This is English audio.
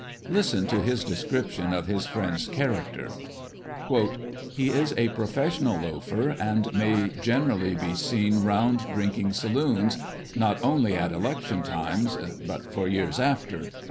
Listen to his description of his friend's character :" He is a professional loafer, and may generally be seen round drinking sa loons, not only at election times, but for years after.